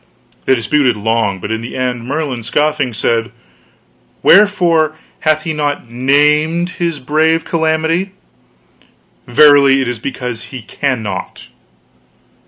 They disputed long, but in the end, Merlin, scoffing, said, 'Wherefore hath he not named his brave calamity? Verily it is because he cannot.'